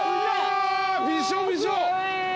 びしょびしょ！